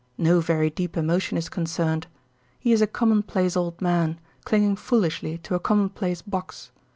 No very deep emotion is concerned. He is a commonplace old man, clinging foolishly to a commonplace box.